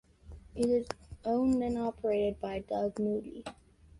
It is owned and operated by Doug Moody.